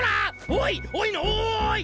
おいおいのおい！